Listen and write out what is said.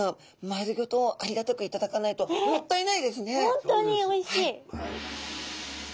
本当においしい！